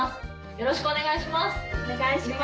よろしくお願いします。